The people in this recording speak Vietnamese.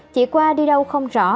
chị qua đi đâu không rõ